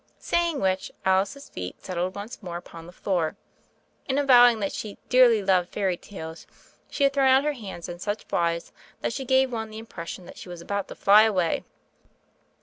Saying which, Alice's feet settled once more upon the floor. In avowing that she "dearly loved fairy tales" she had thrown out her hands in such wise that she gave one the impression that she was about to fly away.